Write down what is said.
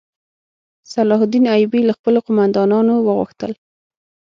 صلاح الدین ایوبي له خپلو قوماندانانو وغوښتل.